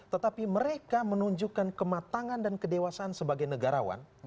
tetapi mereka menunjukkan kematangan dan kedewasaan sebagai negarawan